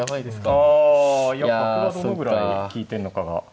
あやっぱ歩がどのぐらい利いてんのかが。